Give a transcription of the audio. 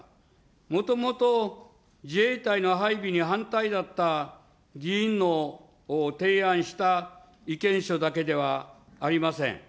もともと自衛隊の配備に反対だった議員の提案した意見書だけではありません。